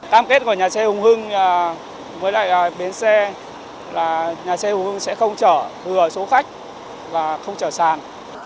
cam kết của nhà xe hùng hưng với lại bến xe là nhà xe hùng hưng sẽ không chở hừa số khách và không chở sàn